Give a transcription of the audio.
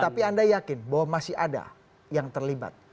tapi anda yakin bahwa masih ada yang terlibat